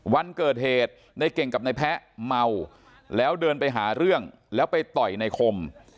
วันเกิดเหตุในเก่งกับนายแพ้เมาแล้วเดินไปหาเรื่องแล้วไปต่อยในคม